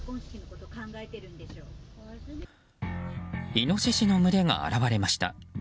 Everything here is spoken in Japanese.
イノシシの群れが現れました。